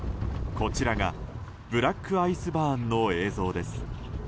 こちらがブラックアイスバーンの映像です。